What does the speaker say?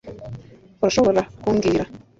Urashobora kumbwira